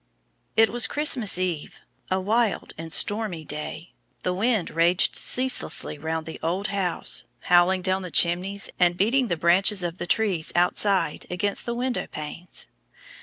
It was Christmas eve, a wild and stormy day. The wind raged ceaselessly round the old house, howling down the chimneys, and beating the branches of the trees outside against the window panes.